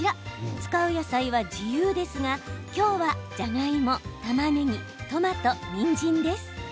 使う野菜は自由ですが今日は、じゃがいも、たまねぎトマト、にんじんです。